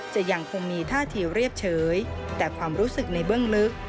จะยังคงมีท่าทีเรียบเฉยแต่ความรู้สึกในเบื้องลึก